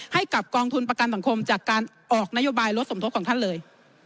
ให้กับกองทุนประกันสังคมจากการออกนโยบายรถสมทบของท่านเลย